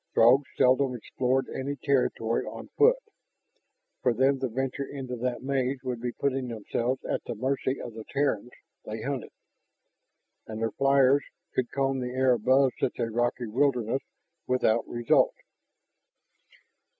Throgs seldom explored any territory on foot. For them to venture into that maze would be putting themselves at the mercy of the Terrans they hunted. And their flyers could comb the air above such a rocky wilderness without result.